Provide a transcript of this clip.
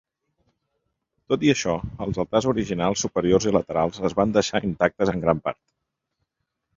Tot i això, els altars originals superiors i laterals es van deixar intactes en gran part.